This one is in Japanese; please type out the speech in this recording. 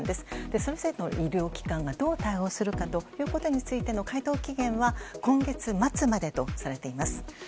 それぞれ医療機関がどう対応するかということへの回答期限は今月末までとされています。